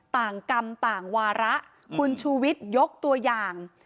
กรรมต่างวาระคุณชูวิทยกตัวอย่าง